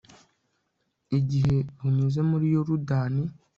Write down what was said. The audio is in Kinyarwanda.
igihe bunyuze muri yorudani